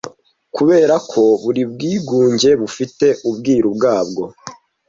kuberako buri bwigunge bufite ubwiru bwabwo